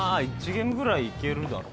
ゲームぐらいいけるだろ。